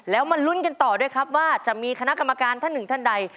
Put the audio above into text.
แล้วมาลุ้นกันต่อด้วยครับว่าจะมีคณะกรรมการท่านหนึ่งท่านใด